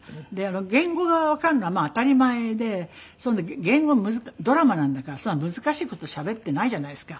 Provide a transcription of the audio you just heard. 言語がわかるのはまあ当たり前で言語はドラマなんだからそんな難しい事しゃべっていないじゃないですか